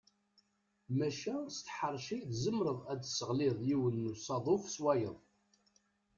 Maca s tḥerci tzemreḍ ad tesseɣliḍ yiwen n usaḍuf s wayeḍ.